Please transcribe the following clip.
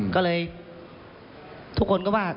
ก็เลยทุกคนก็ว่า